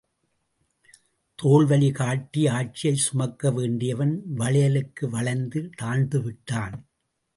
தோள்வலி காட்டி ஆட்சியைச் சுமக்க வேண்டியவன் வளையலுக்கு வளைந்து தாழ்ந்து விட்டான்.